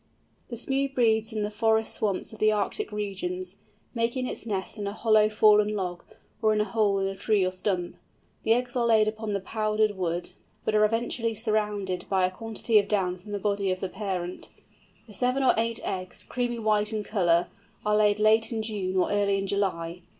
The Smew breeds in the forest swamps of the Arctic regions, making its nest in a hollow fallen log, or in a hole in a tree or stump. The eggs are laid upon the powdered wood, but are eventually surrounded with a quantity of down from the body of the parent. The seven or eight eggs, creamy white in colour, are laid late in June or early in July.